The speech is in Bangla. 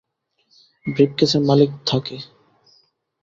ব্রিফকেসের মালিক থাকে।